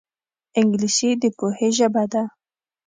انګلیسي د پوهې ژبه ده